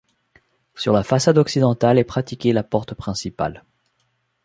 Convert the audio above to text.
Sur la façade occidentale est pratiquée la porte principale.